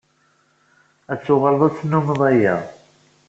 Ad tuɣaleḍ ad tennammeḍ aya.